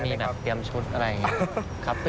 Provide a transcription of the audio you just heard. มีแบบเตรียมชุดอะไรอย่างนี้ครับ